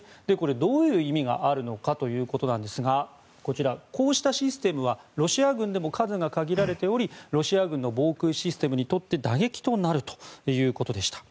どういう意味があるのかということなんですがこうしたシステムはロシア軍でも数が限られておりロシア軍の防空システムにとって打撃となるということでした。